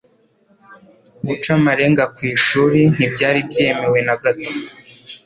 guca amarenga ku ishuri ntibyari byemewe na gato.